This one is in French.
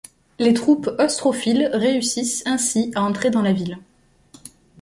Les troupes austrophiles réussissent ainsi à entrer dans la ville.